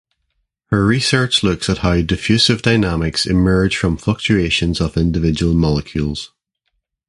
Her research looks at how diffusive dynamics emerge from fluctuations of individual molecules.